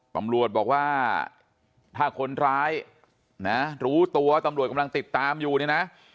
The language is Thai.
ตำรวจบอกว่าถ้าคนร้ายนะรู้ตัวตำรวจกำลังติดตามอยู่เนี่ยนะ